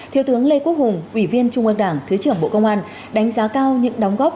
thiếu tướng lê quốc hùng ủy viên trung ương đảng thứ trưởng bộ công an đánh giá cao những đóng góp